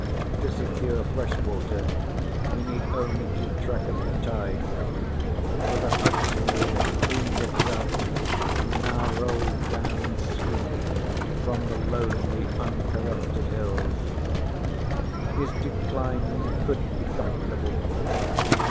To secure fresh water, he need only keep track of the tides, for the Hudson had cleaned itself and now rolled down sweet from the lonely, uncorrupted hills. His decline could be comfortable.